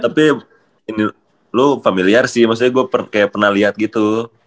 tapi lu familiar sih maksudnya gue kayak pernah liat gitu